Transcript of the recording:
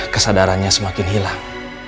kesadarannya semakin hilang